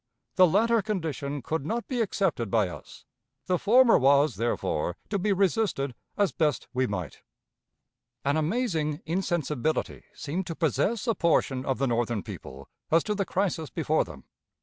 The latter condition could not be accepted by us. The former was, therefore, to be resisted as best we might. An amazing insensibility seemed to possess a portion of the Northern people as to the crisis before them.